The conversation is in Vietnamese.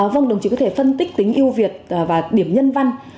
vâng đồng chí có thể phân tích tính yêu việt và điểm nhân văn